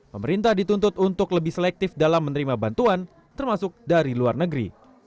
pemerintah dituntut untuk lebih selektif dalam menerima bantuan termasuk dari luar negeri